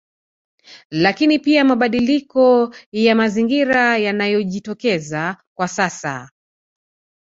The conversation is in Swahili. Lakini pia mabadiliko ya Mazingira yanayojitokeza kwa sasa